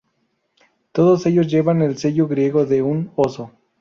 Todos ellos llevan el sello griego de un oso.